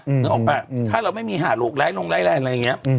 นึกออกป่ะถ้าเราไม่มีหาโรครัศลงไล่แหลงอันนี้